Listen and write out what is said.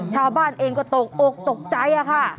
ชาวบ้านเองก็โต๊ะโกรธตกใจอะค่ะ